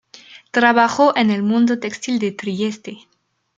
Trabajó en el mundo textil de Trieste.